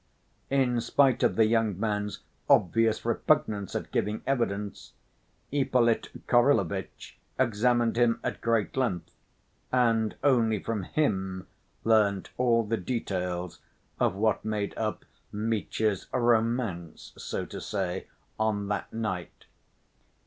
In spite of the young man's obvious repugnance at giving evidence, Ippolit Kirillovitch examined him at great length, and only from him learnt all the details of what made up Mitya's "romance," so to say, on that night.